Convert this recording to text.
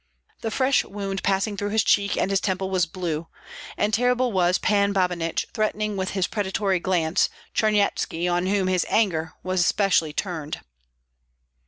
The fresh wound passing through his cheek and his temple was blue; and terrible was Pan Babinich threatening with his predatory glance Charnyetski, on whom his anger was specially turned.